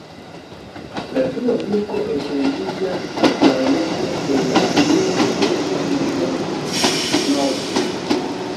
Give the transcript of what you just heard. La dua bloko etendiĝas laŭlonge de la unua, sed iom norde.